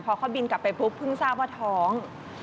พอเขาบินกลับไปปุ๊บเพิ่งทราบว่าท้อง